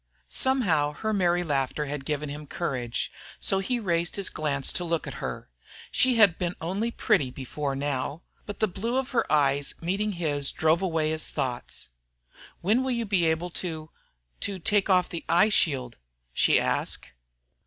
Somehow her merry laughter had given him courage, so he raised his glance to look at her. She had been only pretty before. Now! But the blue of her eyes meeting his drove away his thoughts. "When will you be able to to take off that eye shield?" she asked.